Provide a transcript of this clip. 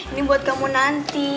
ini buat kamu nanti